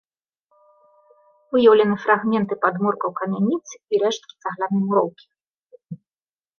Выяўлены фрагменты падмуркаў камяніц і рэшткі цаглянай муроўкі.